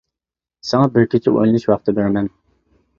ساڭا بىر كېچە ئويلىنىش ۋاقتى بىرىمەن.